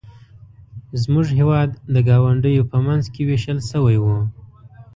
زموږ هېواد د ګاونډیو په منځ کې ویشل شوی و.